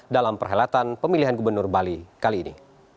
dalam perhelatan pemilihan gubernur bali kali ini